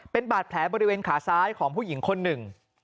เป็นบาดแผลบริเวณขาซ้ายของผู้หญิงคนหนึ่ง